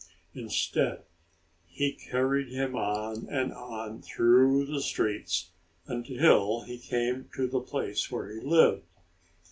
Instead, he carried him on and on through the streets, until he came to the place where he lived.